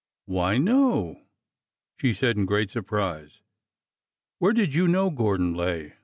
'' Why, no !" she said in great surprise. '' Where did you know Gordon Lay?